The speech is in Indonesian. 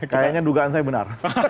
kayaknya dugaan saya benar